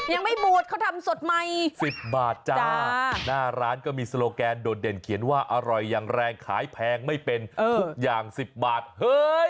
ยังไม่บูดเขาทำสดใหม่สิบบาทจ้าหน้าร้านก็มีโซโลแกนโดดเด่นเขียนว่าอร่อยอย่างแรงขายแพงไม่เป็นทุกอย่างสิบบาทเฮ้ย